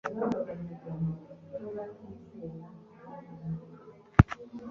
Negukanye Sikemu ntambagira umubande wa Sukoti